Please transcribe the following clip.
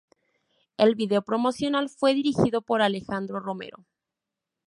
El vídeo promocional fue dirigido por Alejandro Romero.